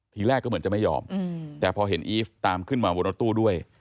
ทีแรกก็เหมือนจะไม่ยอมแต่พอเห็นอีฟตามขึ้นมาบนรถตู้ด้วย